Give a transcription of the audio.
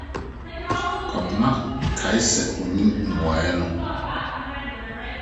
Kwabena kae sɛ onnim mmuae no.